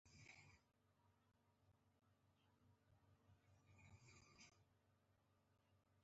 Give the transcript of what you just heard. رښتیا ویل زړورتیا ده